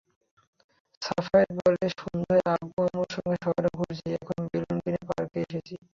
সাফায়েত বলে, সন্ধ্যায় আব্বু-আম্মুর সঙ্গে শহর ঘুরেছি, এখন বেলুন কিনতে পার্কে এসেছি।